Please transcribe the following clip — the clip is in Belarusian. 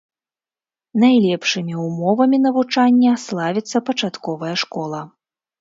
Найлепшымі ўмовамі навучання славіцца пачатковая школа.